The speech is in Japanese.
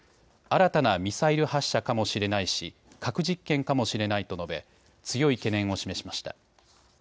新たなミサイル発射かもしれないし核実験かもしれないと述べ強い懸念を示しました。